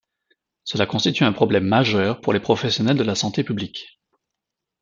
Cela constitue un problème majeur pour les professionnels de la santé publique.